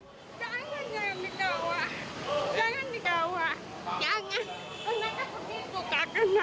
jangan nyanyi kawah jangan nyanyi kawah jangan